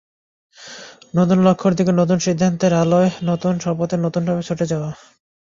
নতুন লক্ষ্যের দিকে, নতুন সিদ্ধান্তের আলোয় নতুন শপথে নতুনভাবে ছুটে যাওয়া।